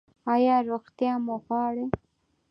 ایا روغتیا مو غواړئ؟